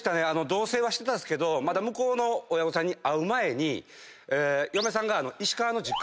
同棲はしてたんですけど向こうの親御さんに会う前に。